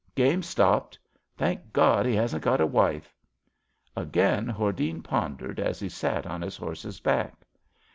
Game's stopped. Thank God, he hasn't got a wife! " Again Hordene pondered as he sat on his horse's back.